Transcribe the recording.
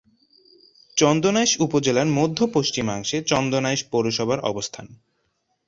চন্দনাইশ উপজেলার মধ্য-পশ্চিমাংশে চন্দনাইশ পৌরসভার অবস্থান।